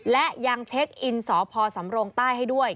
และยังเช็คอินสพสำรงใต้ให้ด้วย